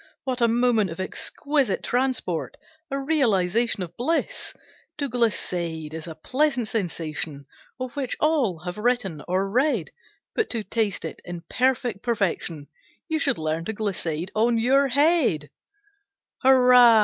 What a moment of exquisite transport! A realization of bliss! To glissade is a pleasant sensation, Of which all have written, or read; But to taste it, in perfect perfection, You should learn to glissade on your head. Hurrah!